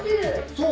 そう。